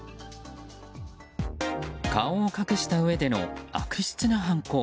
顔を隠したうえでの悪質な犯行。